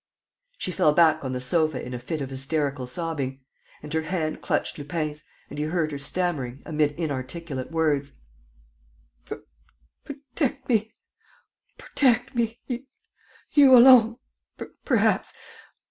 She fell back on the sofa in a fit of hysterical sobbing; and her hand clutched Lupin's and he heard her stammering, amid inarticulate words: "Protect me ... protect me. ... You alone, perhaps.